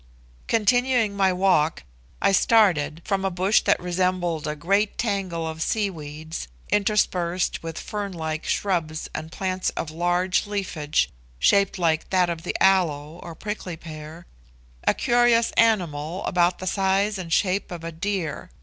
Continuing my walk, I started, from a bush that resembled a great tangle of sea weeds, interspersed with fern like shrubs and plants of large leafage shaped like that of the aloe or prickly pear, a curious animal about the size and shape of a deer.